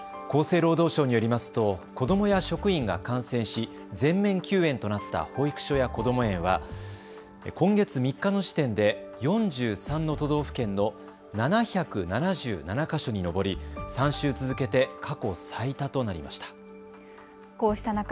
厚生労働省によりますと子どもや職員が感染し全面休園となった保育所やこども園は今月３日の時点で４３の都道府県の７７７か所に上り３週続けて過去最多となりました。